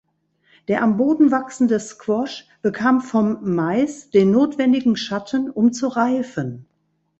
Der am Boden wachsende Squash bekam vom Mais den notwendigen Schatten, um zu reifen.